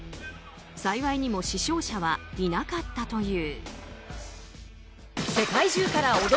幸いにも死傷者はいなかったという。